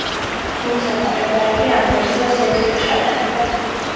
თუმცა მკვლევარები ამ ვერსიას ეჭქვეშ აყენებენ.